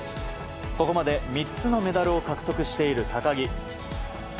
ここまで３つのメダルを獲得している高木。